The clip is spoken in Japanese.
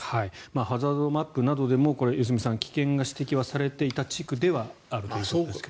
ハザードマップなどでも良純さん危険が指摘はされていた地区ではあるということですが。